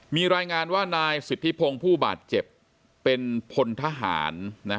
มีรายงานว่านายสิทธิพงศ์ผู้บาดเจ็บเป็นพลทหาร